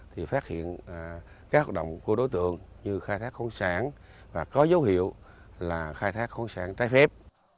thì phát hiện các hoạt động của đối tượng như khai thác khoáng sản và có dấu hiệu là khai thác khoáng sản trái phép